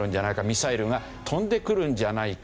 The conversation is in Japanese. ミサイルが飛んでくるんじゃないか。